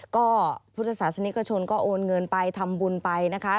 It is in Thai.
ก็พุทธศาสนิกชนก็โอนเงินไปทำบุญไปนะคะ